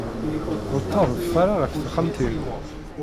Ur ttadef ara ɣer texxamt-inu.